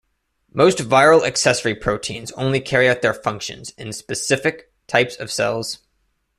Most viral accessory proteins only carry out their functions in specific types of cells.